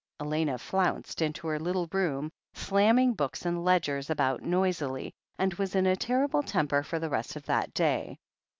Elena flounced into her little room, slamming books and ledgers about noisily, and was in a terrible temper for the rest of that day.